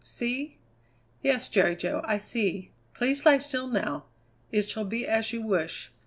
See?" "Yes, Jerry Jo, I see. Please lie still now. It shall be as you wish.